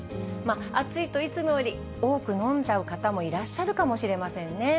暑いといつもより多く飲んじゃう方もいらっしゃるかもしれませんね。